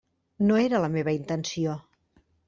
No era la meva intenció.